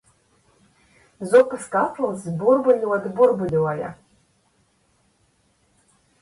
Zupas katls burbuļot burbuļoja!